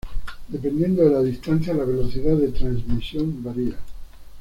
Dependiendo de la distancia la velocidad de transmisión varía.